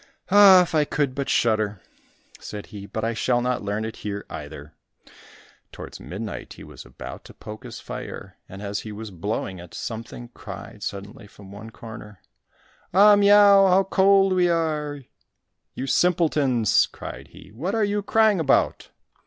"Ah, if I could but shudder!" said he, "but I shall not learn it here either." Towards midnight he was about to poke his fire, and as he was blowing it, something cried suddenly from one corner, "Au, miau! how cold we are!" "You simpletons!" cried he, "what are you crying about?